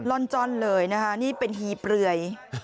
่อนจ้อนเลยนะคะนี่เป็นฮีเปลือย